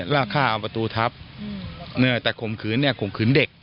แล้วฆ่าเอาประตูทับอืมเนี้ยแต่ขมขืนเนี้ยขมขืนเด็ก